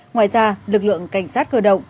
ngoài ra lực lượng cảnh sát cơ động